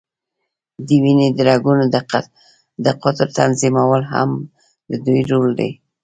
د وینې د رګونو د قطر تنظیمول هم د دوی رول دی.